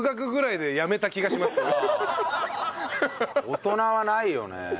大人はないよね。